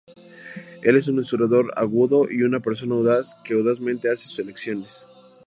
Él es un observador agudo y una persona audaz que audazmente hace sus elecciones.